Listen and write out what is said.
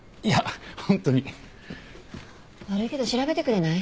悪いけど調べてくれない？